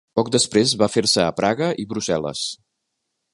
Poc després va fer-se a Praga i Brussel·les.